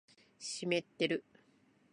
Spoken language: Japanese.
湿ってる